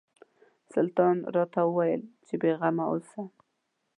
سلطان راته وویل چې بېغمه اوسه.